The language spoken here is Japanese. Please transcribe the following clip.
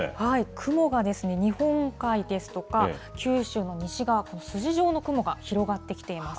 雲がですね、日本海ですとか、九州の西側、筋状の雲が広がってきています。